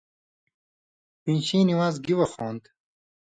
پِینشِیں نِوانز گِی وَخ ہُونت؟